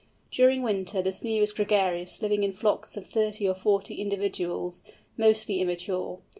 During winter the Smew is gregarious, living in flocks of thirty or forty individuals, mostly immature.